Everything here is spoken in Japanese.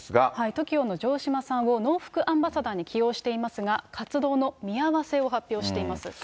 ＴＯＫＩＯの城島さんをノウフクアンバサダーに起用していますが、活動の見合わせを発表しています。